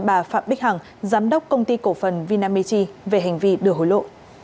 bà phạm bích hằng giám đốc công ty cổ phần vinamity về hành vi đưa hối lộ